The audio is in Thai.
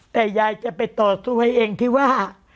แต่ยายจะไปต่อสู้ให้เองที่ว่า